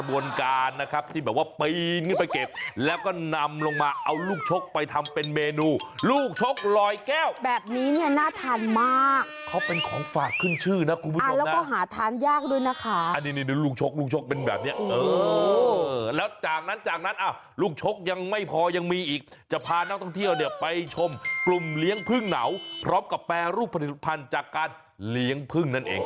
ลูกชกลูกชกลูกชกลูกชกลูกชกลูกชกลูกชกลูกชกลูกชกลูกชกลูกชกลูกชกลูกชกลูกชกลูกชกลูกชกลูกชกลูกชกลูกชกลูกชกลูกชกลูกชกลูกชกลูกชกลูกชกลูกชกลูกชกลูกชกลูกชกลูกชกลูกชกลูกชกลูกชกลูกชกลูกชกลูกชกลูกชก